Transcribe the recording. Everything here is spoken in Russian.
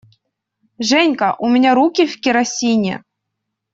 Женька, у меня руки в керосине!